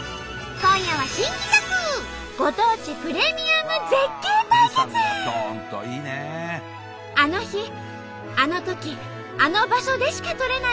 今夜はあの日あの時あの場所でしか撮れない